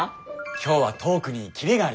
今日はトークにキレがありましたね。